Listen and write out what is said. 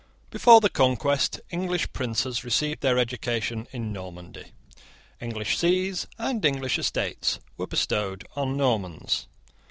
Before the Conquest, English princes received their education in Normandy. English sees and English estates were bestowed on Normans.